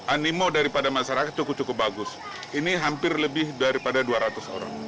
animo daripada masyarakat cukup cukup bagus ini hampir lebih daripada dua ratus orang